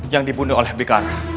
yang dibunuh oleh bekara